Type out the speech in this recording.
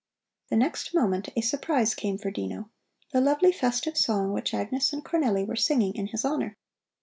The next moment a surprise came for Dino: the lovely festive song which Agnes and Cornelli were singing in his honor.